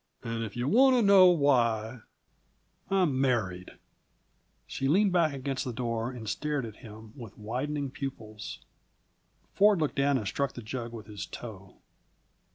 And if you want to know why I'm married!" She leaned back against the door and stared up at him with widening pupils. Ford looked down and struck the jug with his toe.